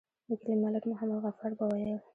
د کلي ملک محمد غفار به ويل.